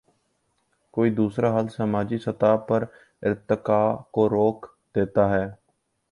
کوئی دوسرا حل سماجی سطح پر ارتقا کو روک دیتا ہے۔